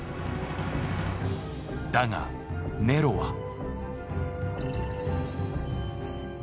だがネロは。